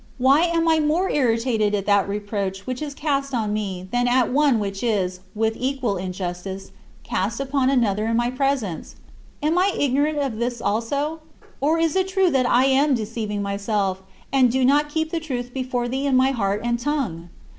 Why am I more irritated at that reproach which is cast on me than at one which is, with equal injustice, cast upon another in my presence? Am I ignorant of this also? Or is it still true that I am deceiving myself, and do not keep the truth before thee in my heart and tongue?